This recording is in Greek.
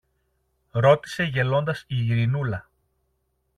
ρώτησε γελώντας η Ειρηνούλα.